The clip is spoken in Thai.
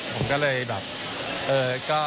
ผมก็เลยแบบ